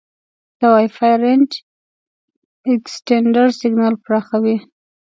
د وای فای رینج اکسټینډر سیګنال پراخوي.